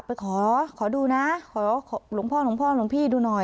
ไปขอขอดูนะขอหลวงพ่อหลวงพ่อหลวงพี่ดูหน่อย